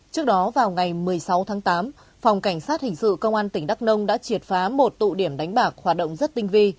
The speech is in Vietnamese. trước đó vào ngày một mươi sáu tháng tám phòng cảnh sát hình sự công an tỉnh đắk nông đã triệt phá một tụ điểm đánh bạc hoạt động rất tinh vi